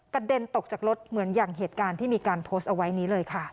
เด็นตกจากรถเหมือนอย่างเหตุการณ์ที่มีการโพสต์เอาไว้นี้เลยค่ะ